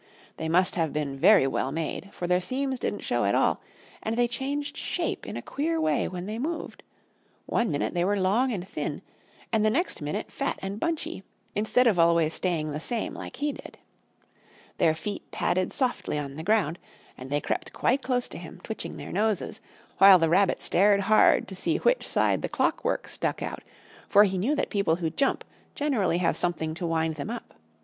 They must have been very well made, for their seams didn't show at all, and they changed shape in a queer way when they moved; one minute they were long and thin and the next minute fat and bunchy, instead of always staying the same like he did. Their feet padded softly on the ground, and they crept quite close to him, twitching their noses, while the Rabbit stared hard to see which side the clockwork stuck out, for he knew that people who jump generally have something to wind them up.